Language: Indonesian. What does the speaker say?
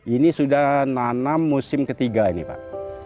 ini sudah nanam musim ketiga ini pak